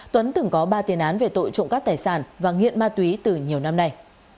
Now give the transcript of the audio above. tuấn từng có ba tiền án về tội trộm cắp tài sản và nghiện ma túy từ nhiều năm nay